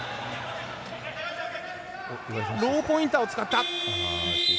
ローポインターを使った。